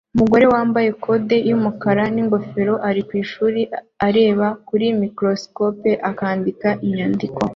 Umugore wambaye code yumukara ningofero ari kwishuri areba kuri microscope akandika inyandiko